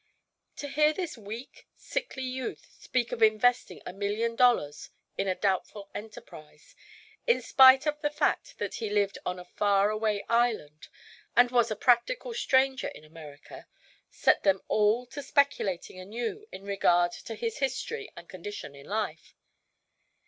To hear this weak, sickly youth speak of investing a million dollars in a doubtful enterprise, in spite of the fact that he lived on a far away island and was a practical stranger in America, set them all to speculating anew in regard to his history and condition in life.